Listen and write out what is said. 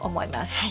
はい。